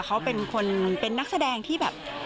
เขาเป็นนักแสดงที่แบบ